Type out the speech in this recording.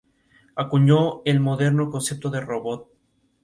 Acuñó el moderno concepto de "robot".